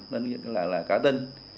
nên là cả tinh